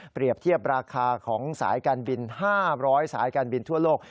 เทียบราคาของสายการบิน๕๐๐สายการบินทั่วโลก